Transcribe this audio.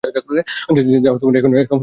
যা এখনো এ সমস্ত স্থানে অব্যহত রয়েছে।